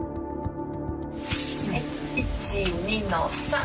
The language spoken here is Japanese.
１２の３。